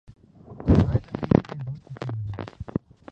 شاہد آفریدی نے دو چھکے لگائے